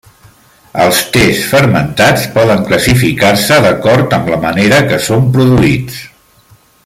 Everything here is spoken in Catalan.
Els tes fermentats poden classificar-se d'acord amb la manera que són produïts.